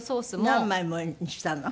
何枚もしたの？